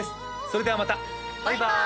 それではまたバイバーイ！